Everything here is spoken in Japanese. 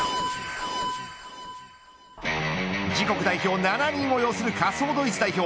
自国代表７人を擁する仮想ドイツ代表。